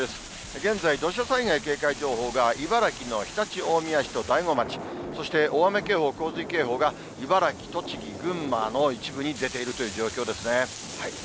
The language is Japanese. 現在、土砂災害警戒情報が茨城の常陸大宮市と大子町、そして大雨警報、洪水警報が、茨城、栃木、群馬の一部に出ているという状況ですね。